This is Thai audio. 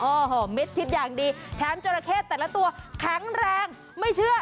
โอ้โหมิดชิดอย่างดีแถมจราเข้แต่ละตัวแข็งแรงไม่เชื่อ